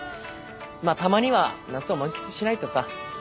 まあたまには夏を満喫しないとさ。